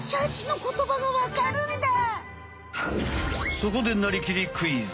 そこでなりきりクイズ！